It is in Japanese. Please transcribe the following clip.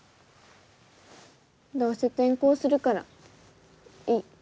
どうせ転校するからいい。